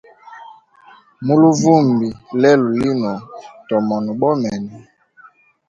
Mu luvumbi lelo lino tomona bomene.